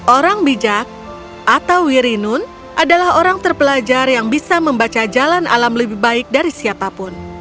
orang bijak atau wirinun adalah orang terpelajar yang bisa membaca jalan alam lebih baik dari siapapun